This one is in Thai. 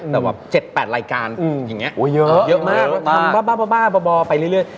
แต่แบบ๗๘รายการอย่างนี้เยอะมากแล้วทำบ้าไปเรื่อย